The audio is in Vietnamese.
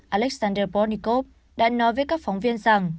alexander pornikov đã nói với các phóng viên rằng